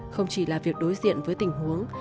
không chỉ là việc đối diện với tình huống